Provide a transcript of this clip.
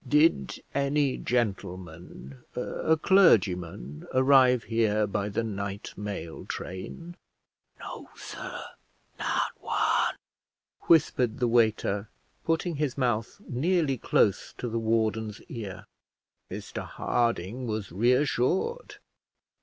"Did any gentleman, a clergyman, arrive here by the night mail train?" "No, sir, not one," whispered the waiter, putting his mouth nearly close to the warden's ear. Mr Harding was reassured.